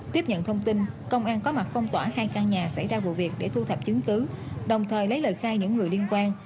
tiếp nhận thông tin công an có mặt phong tỏa hai căn nhà xảy ra vụ việc để thu thập chứng cứ đồng thời lấy lời khai những người liên quan